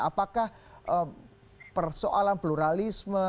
apakah persoalan pluralisme